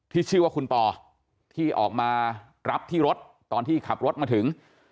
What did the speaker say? ชื่อว่าคุณปอที่ออกมารับที่รถตอนที่ขับรถมาถึง